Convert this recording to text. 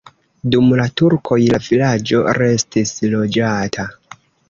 Dum la turkoj la vilaĝo restis loĝata.